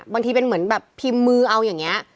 บางทีเป็นเหมือนแบบพิมพ์มือเอาอย่างนี้